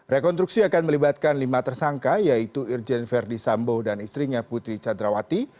rekonstruksi akan melibatkan lima tersangka yaitu irjen verdi sambo dan istrinya putri candrawati